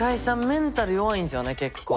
メンタル弱いんすよね結構。